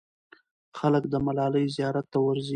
خلک د ملالۍ زیارت ته ورځي.